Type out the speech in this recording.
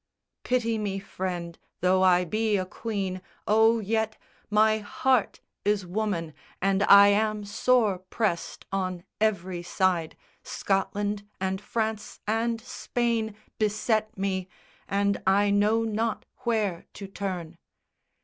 "Pity me, friend, though I be queen, O yet My heart is woman, and I am sore pressed On every side, Scotland and France and Spain Beset me, and I know not where to turn."